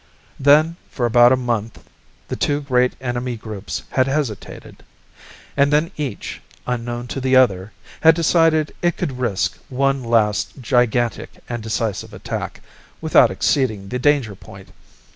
Then, for about a month, the two great enemy groups had hesitated. And then each, unknown to the other, had decided it could risk one last gigantic and decisive attack without exceeding the danger point.